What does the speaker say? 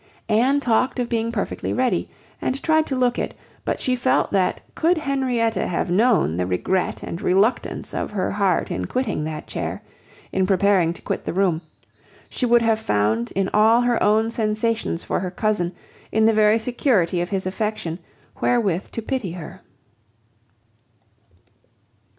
Anne talked of being perfectly ready, and tried to look it; but she felt that could Henrietta have known the regret and reluctance of her heart in quitting that chair, in preparing to quit the room, she would have found, in all her own sensations for her cousin, in the very security of his affection, wherewith to pity her.